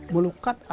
melukat artinya apa